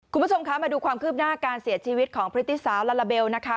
คุณผู้ชมคะมาดูความคืบหน้าการเสียชีวิตของพฤติสาวลาลาเบลนะคะ